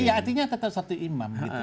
iya artinya tetap satu imam gitu